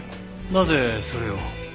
なぜそれを？